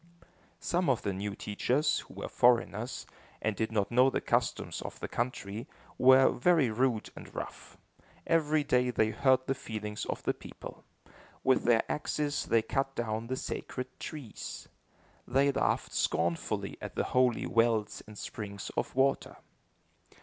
Some of the new teachers, who were foreigners, and did not know the customs of the country, were very rude and rough. Every day they hurt the feelings of the people. With their axes they cut down the sacred trees. They laughed scornfully at the holy wells and springs of water.